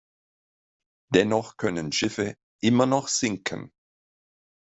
Dennoch können Schiffe immer noch sinken.